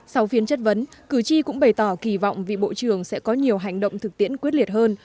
sau phiên chất vấn cử tri cũng bày tỏ kỳ vọng vị bộ trưởng sẽ có nhiều hành động thực tiễn quyết liệt hơn